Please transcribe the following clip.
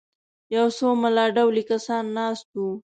یو څو ملا ډولي کسان ناست وو.